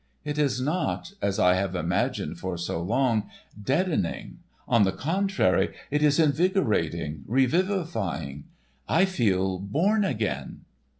It is not—as I have imagined for so long, deadening, on the contrary, it is invigorating, revivifying. I feel born again."